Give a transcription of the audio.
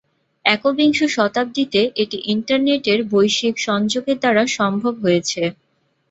একবিংশ শতাব্দীতে এটি ইন্টারনেটের বৈশ্বিক সংযোগের দ্বারা সম্ভব হয়েছে।